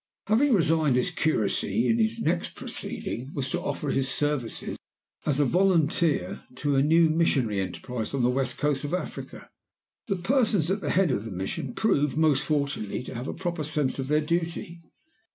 "Having resigned his curacy, his next proceeding was to offer his services, as volunteer, to a new missionary enterprise on the West Coast of Africa. The persons at the head of the mission proved, most fortunately, to have a proper sense of their duty.